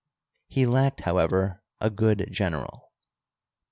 He lacked, how ever, a good general.